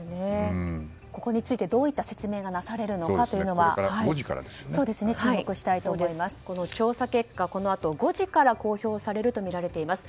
ここについてどういった説明がなされるのか調査結果はこのあと５時から公表されるとみられています。